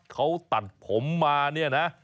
เขาตัดผมมาเนี่ยนะ